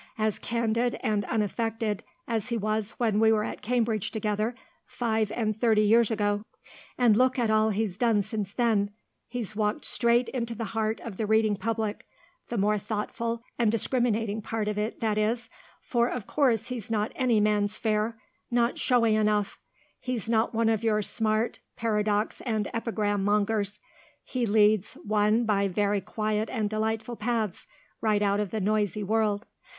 As candid and unaffected as he was when we were at Cambridge together, five and thirty years ago. And look at all he's done since then. He's walked straight into the heart of the reading public the more thoughtful and discriminating part of it, that is, for of course he's not any man's fare not showy enough; he's not one of your smart paradox and epigram mongers. He leads one by very quiet and delightful paths, right out of the noisy world.